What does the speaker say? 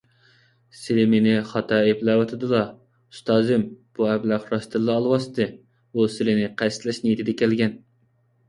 سىلى مېنى خاتا ئەيىبلەۋاتىدىلا، ئۇستازىم، بۇ ئەبلەخ راستتىنلا ئالۋاستى، ئۇ سىلىنى قەستلەش نىيىتىدە كەلگەن.